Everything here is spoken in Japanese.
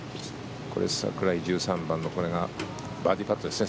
これは櫻井さんの１３番のバーディーパットですね。